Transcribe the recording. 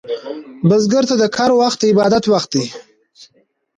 بزګر ته د کر وخت عبادت وخت دی